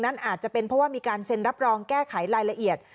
อาจจะเป็นเพราะว่ามีการเซ็นรับรองแก้ไขรายละเอียด